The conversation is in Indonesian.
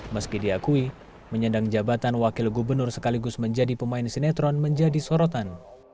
meski diakui menyandang jabatan wakil gubernur sekaligus menjadi pemain sinetron menjadi sorotan